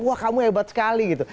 wah kamu hebat sekali gitu